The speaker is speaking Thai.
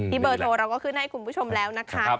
เบอร์โทรเราก็ขึ้นให้คุณผู้ชมแล้วนะคะ